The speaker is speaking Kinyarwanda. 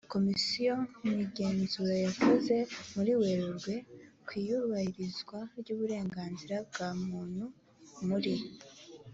komisiyo mu igenzura yakoze muri werurwe ku iyubahirizwa ry uburenganzira bwa muntu muri